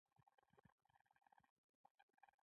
په لیکنه کې د دې نښو مرسته لوستونکي ته کیږي.